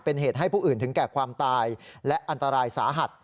เป็นเหตุให้ผู้อื่นถึงแก่ความตายและอันตรายสาหัส